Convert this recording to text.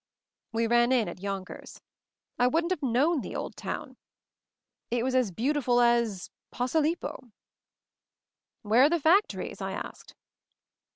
We ran in at Yonkers. I wouldn't have 172 MOVING THE MOUNTAIN known the old town. It was as beautiful as — Posilippo." "Where are the factories ?" I asked.